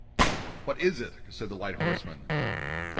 "What is it?" said the light horseman.